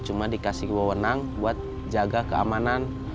cuma dikasih wawonan buat jaga keamanan